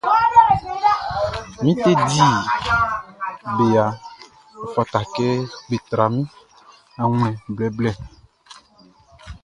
Min teddy bearʼn, ɔ fata kɛ be tra min awlɛn blɛblɛblɛ.